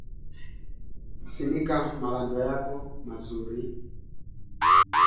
Dalili muhimu za ugonjwa wa ndorobo ni homa ya vipindi